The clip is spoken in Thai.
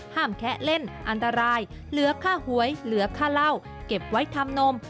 แคะเล่นอันตรายเหลือค่าหวยเหลือค่าเหล้าเก็บไว้ทำนม